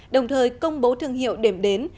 đồng thời công bố thương hiệu đềm đến